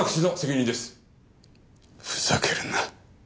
ふざけるな。